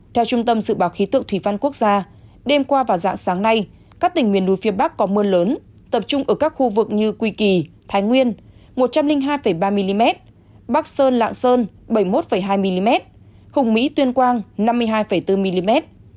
theo trung tâm dự báo khí tượng thủy văn quốc gia đêm qua và dạng sáng nay các tỉnh miền núi phía bắc có mưa lớn tập trung ở các khu vực như quỳ kỳ thái nguyên một trăm linh hai ba mm bắc sơn lạng sơn bảy mươi một hai mm hùng mỹ tuyên quang năm mươi hai bốn mm